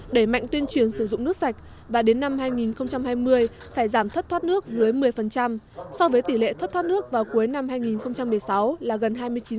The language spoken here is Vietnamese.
để mạnh tuyên truyền sử dụng nước sạch và đến năm hai nghìn hai mươi phải giảm thất thoát nước dưới một mươi so với tỷ lệ thất thoát nước vào cuối năm hai nghìn một mươi sáu là gần hai mươi chín